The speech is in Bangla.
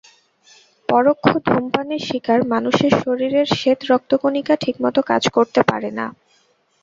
পরোক্ষ ধূমপানের শিকার মানুষের শরীরের শ্বেত রক্তকণিকা ঠিকমতো কাজ করতে পারে না।